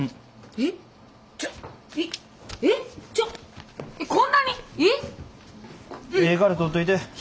ええから取っといて。